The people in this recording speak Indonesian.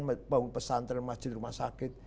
bukan bangun pesantren masjid rumah sakit